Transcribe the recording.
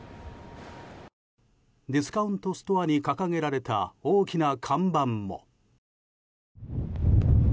ディスカウントストアに掲げられた大きな看板も。